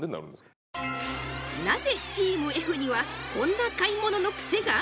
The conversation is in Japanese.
なぜチームＦにはこんな買い物のクセが？